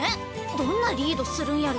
どんなリードするんやろ。